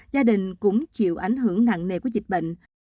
gia đình cũng chịu ảnh hưởng nặng nề của dịch bệnh